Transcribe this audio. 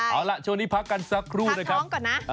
เอาล่ะช่วงนี้พักกันสักครู่นะครับท้องก่อนนะ